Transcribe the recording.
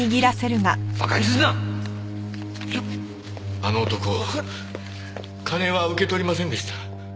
あの男金は受け取りませんでした。